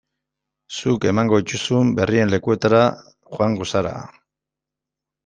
Zuk emango dituzun berrien lekuetara joango zara.